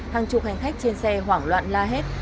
hàng chục hành khách trên xe hoảng loạn la hét